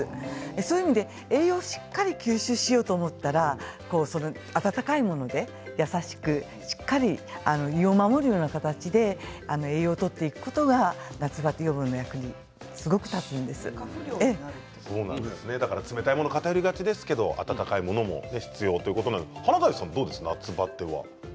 そういう意味で栄養をしっかり吸収しようと思ったら温かいもので優しくしっかり胃を守るような形で栄養をとっていくことが夏バテ予防の役に冷たいものに偏りがちですが温かいものも必要ということでない。